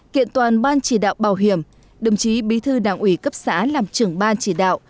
kiện toàn ban chỉ đạo bảo hiểm đồng chí bí thư đảng ủy cấp xã làm trưởng ban chỉ đạo